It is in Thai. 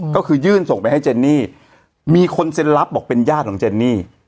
ก็คือยื่นส่งไปให้เจนนี่มีคนเซ็นรับบอกเป็นญาติของเจนนี่